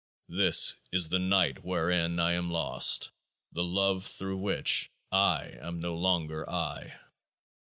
This is The Night wherein I am lost, the Love through which I am no longer I.